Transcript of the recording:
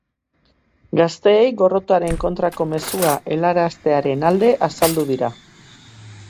Gazteei gorrotoaren kontrako mezua helaraztearen alde azaldu dira.